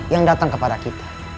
yang datang kepada kita